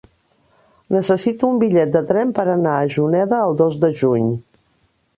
Necessito un bitllet de tren per anar a Juneda el dos de juny.